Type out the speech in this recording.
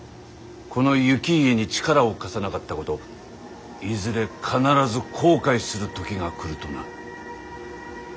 この行家に力を貸さなかったこといずれ必ず後悔する時が来るとな。